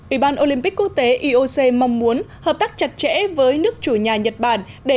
ủy ban olympic quốc tế ioc mong muốn hợp tác chặt chẽ với nước chủ nhà nhật bản để